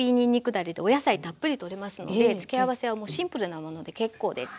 だれでお野菜たっぷりとれますので付け合わせはもうシンプルなもので結構です。